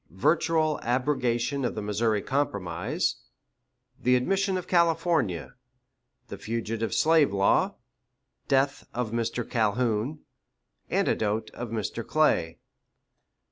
Virtual Abrogation of the Missouri Compromise. The Admission of California. The Fugitive Slave Law. Death of Mr. Calhoun. Anecdote of Mr. Clay.